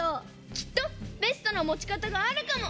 きっとベストな持ち方があるかも！